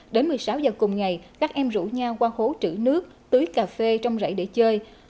đến một mươi sáu giờ cùng ngày các em rủ nhau qua hố trữ nước tưới cà phê trong rẫy để chơi